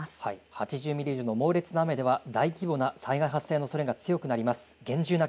８０ミリ以上の猛烈な雨では大規模な災害の発生のおそれが強くなります。